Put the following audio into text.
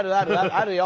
あるよ。